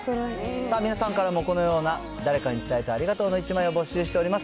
皆さんからもこのような誰かに伝えたいありがとうの１枚を募集しております。